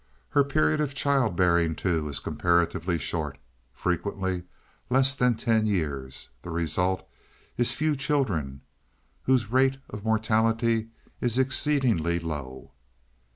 Her period of child bearing, too, is comparatively short frequently less than ten years. The result is few children, whose rate of mortality is exceedingly slow."